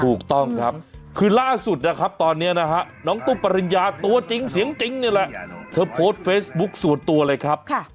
ถูกต้องครับคือล่าสุดนะครับตอนนี้นะฮะน้องตุ้มปริญญาตัวจริงเสียงจริงนี่แหละเธอโพสต์เฟซบุ๊คส่วนตัวเลยครับ